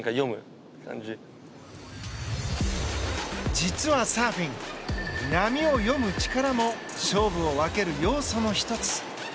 実はサーフィン波を読む力も勝負を分ける要素の１つ。